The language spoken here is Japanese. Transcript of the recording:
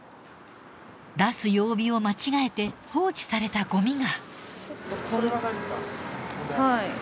出す曜日を間違えて放置されたごみが。